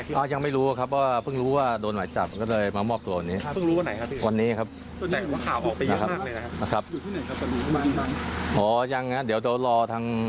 คุณพี่ครับจากการที่เราพูดคุยกับทางคุณบ้านดำเนี่ยนะฮะ